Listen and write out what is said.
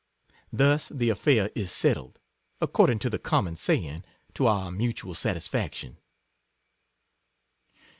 Thus, the affair is settled, according to the common saying, to our mu tual satisfaction.